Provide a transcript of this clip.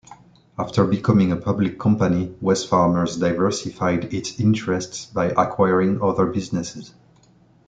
After becoming a public company, Wesfarmers diversified its interests by acquiring other businesses.